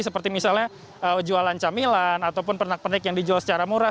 seperti misalnya jualan camilan ataupun pernak pernik yang dijual secara murah